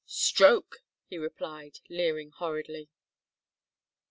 "Stroke!" he replied, leering horridly.